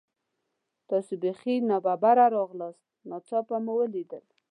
تاسې بیخي نا ببره راغلاست، ناڅاپه مو لیدل.